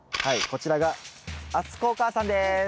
はいこちらが敦子お母さんです。